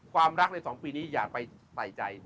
ความรักใน๒ปีนี้อย่าไปใส่ใจ